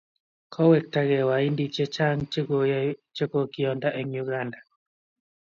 kobektagei Wahindinik chechang che kokionda eng' Uganda